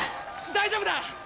大丈夫だ！